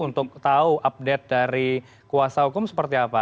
untuk tahu update dari kuasa hukum seperti apa